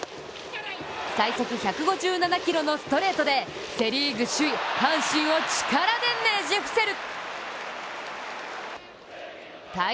最速１５７キロのストレートでセリーグ首位、阪神を力でねじ伏せる。